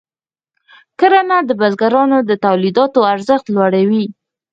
کرنه د بزګرانو د تولیداتو ارزښت لوړوي.